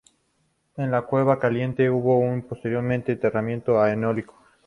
En la Cueva Caliente hubo un posible enterramiento eneolítico.